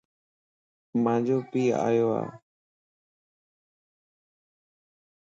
مانجو پي آيو ا